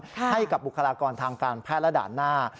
ให้กับบุคลากรทางการแพทย์และด่านหน้า